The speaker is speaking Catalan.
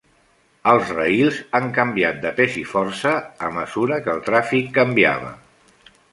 Els rails han canviat de pes i força a mesura que el tràfic canviava.